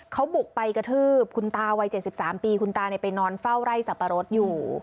เขาบุกไปกระทืบคุณตาวัย๗๓ปีคุณตาไปนอนเฝ้าไร่สับปะรดอยู่